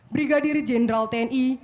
brigadir jenderal tni